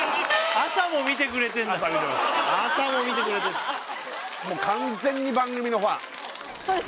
朝も見てくれてるもう完全に番組のファンそうです